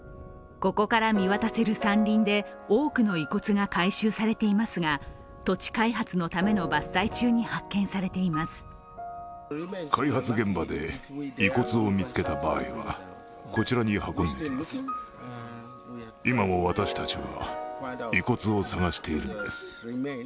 ここから見渡せる山林で多くの遺骨が回収されていますが土地開発のための伐採中に発見されています。